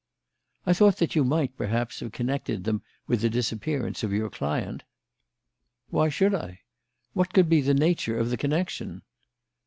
"I thought that you might, perhaps, have connected them with the disappearance of your client." "Why should I? What could be the nature of the connection?"